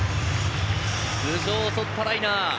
頭上を襲ったライナー。